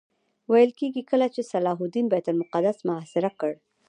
ویل کېږي کله چې صلاح الدین بیت المقدس محاصره کړ.